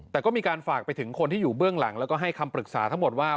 แต่ก็มีการฝากไปถึงคนที่อยู่เบื้องหลังแล้วก็ให้คำปรึกษาทั้งหมดว่า